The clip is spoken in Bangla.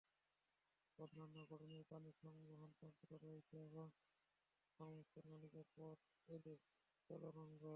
অনন্য গড়নের পানি সংবহনতন্ত্র রয়েছে এবং এর সংশ্লিষ্ট নালিকা পদ এদের চলন অঙ্গ।